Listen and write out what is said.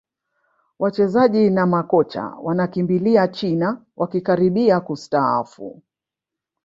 wachezaji na makocha wanakimbilia china wakikaribia kustaafu